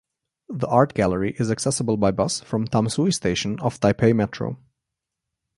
The art gallery is accessible by bus from Tamsui Station of Taipei Metro.